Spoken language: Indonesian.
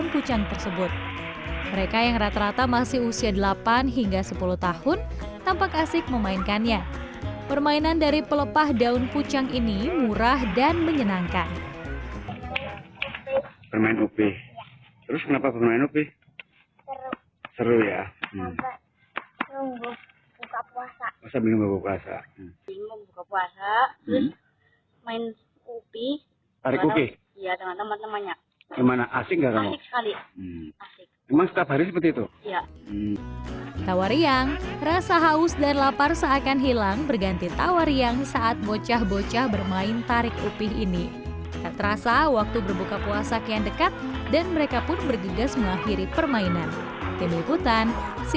pun berjigas mengakhiri permainan